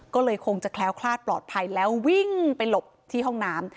ก็เลยคงจะแคล้วคลาดปลอดภัยแล้ววิ่งไปหลบที่ห้องน้ำ